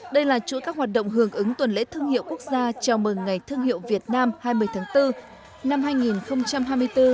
đây là chuỗi các hoạt động hưởng ứng tuần lễ thương hiệu quốc gia chào mừng ngày thương hiệu việt nam hai mươi tháng bốn năm hai nghìn hai mươi bốn